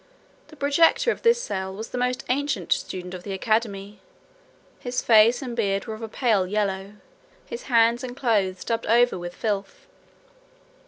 The projector of this cell was the most ancient student of the academy; his face and beard were of a pale yellow; his hands and clothes daubed over with filth.